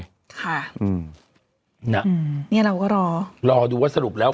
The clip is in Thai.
ค่ะนี่เราก็รอรอดูว่าสรุปแล้ว